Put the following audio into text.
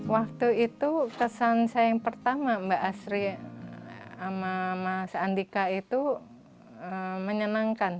waktu itu kesan saya yang pertama mbak asri sama mas andika itu menyenangkan